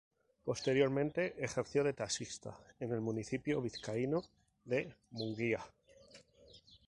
Posteriormente ejerció de taxista en el municipio vizcaíno de Munguía.